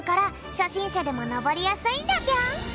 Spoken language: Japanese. しゃでものぼりやすいんだぴょん！